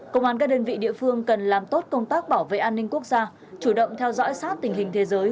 công an các đơn vị địa phương cần làm tốt công tác bảo vệ an ninh quốc gia chủ động theo dõi sát tình hình thế giới